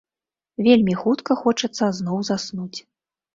Вельмі хутка хочацца зноў заснуць.